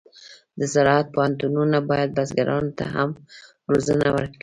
د زراعت پوهنتونونه باید بزګرانو ته هم روزنه ورکړي.